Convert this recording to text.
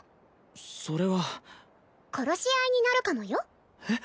それは殺し合いになるかもよえっ！？